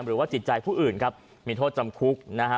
หรือว่าจิตใจผู้อื่นครับมีโทษจำคุกนะฮะ